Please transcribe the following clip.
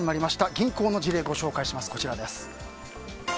銀行の事例をご紹介します。